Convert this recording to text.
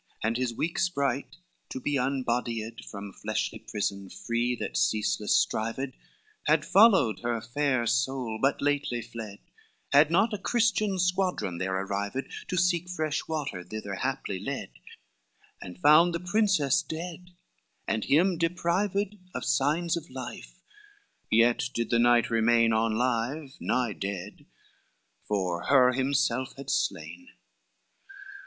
LXXI And his weak sprite, to be unbodied From fleshly prison free that ceaseless strived, Had followed her fair soul but lately fled Had not a Christian squadron there arrived, To seek fresh water thither haply led, And found the princess dead, and him deprived Of signs of life; yet did the knight remain On live, nigh dead, for her himself had slain.